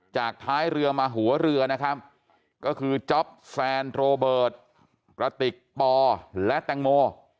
ท้ายเรือมาหัวเรือนะครับก็คือจ๊อปแซนโรเบิร์ตกระติกปอและแตงโม